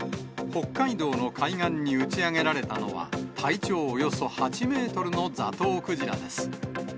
北海道の海岸に打ち上げられたのは、体長およそ８メートルのザトウクジラです。